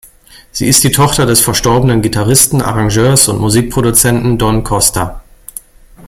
Sie ist die Tochter des verstorbenen Gitarristen, Arrangeurs und Musikproduzenten Don Costa.